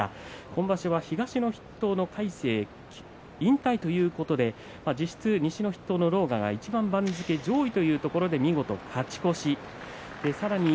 今場所は東の筆頭の魁聖が引退ということで実質西の筆頭狼雅がいちばん番付上位というところで見事勝ち越し。